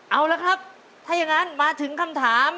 เอาละครับถ้าอย่างนั้นมาถึงคำถาม